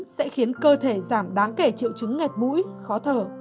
sẽ khiến cơ thể giảm đáng kể triệu chứng ngẹt mũi khó thở